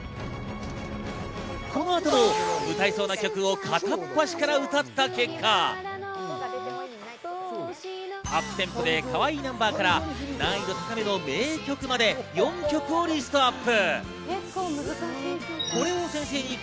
この後も歌えそうな曲を片っ端から歌った結果、アップテンポでかわいいナンバーから難易度高めの名曲まで４曲をリストアップ。